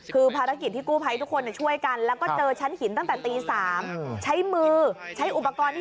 คือภารกิจที่กู้ไภทุกคนช่วยกันและเจอชั้นหินตั้งแต่ตี๓